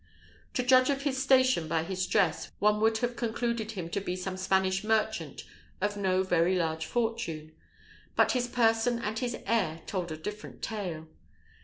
To judge of his station by his dress, one would have concluded him to be some Spanish merchant of no very large fortune; but his person and his air told a different tale.